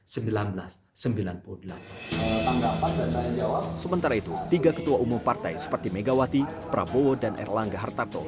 sementara itu tiga ketua umum partai seperti megawati prabowo dan erlangga hartarto